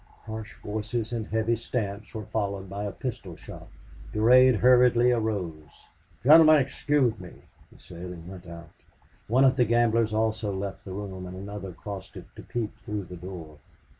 Harsh voices and heavy stamps were followed by a pistol shot. Durade hurriedly arose. "Gentlemen, excuse me," he said, and went out. One of the gamblers also left the room, and another crossed it to peep through the door.